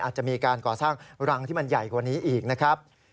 อาจจะมีการก่อสร้างรังที่มันใหญ่กว่านี้อีกนะครับ